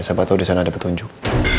saya tahu disana ada petunjuk